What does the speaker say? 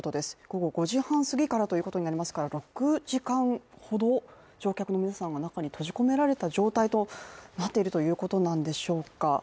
午後５時半すぎからということになりますから６時間ほど乗客の皆さんは中に閉じ込められた状態となっているということでしょうか。